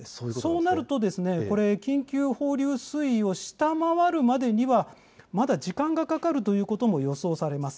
そうなると、緊急放流水位を下回るまでにはまだ時間がかかるということも予想されます。